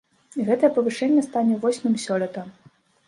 Гэтае павышэнне стане восьмым сёлета.